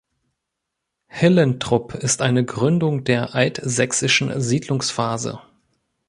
Hillentrup ist eine Gründung der altsächsischen Siedlungsphase.